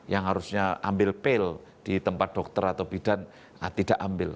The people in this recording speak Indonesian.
yang harusnya ambil pil di tempat dokter atau bidan tidak ambil